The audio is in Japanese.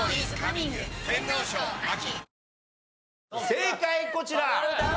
正解こちら！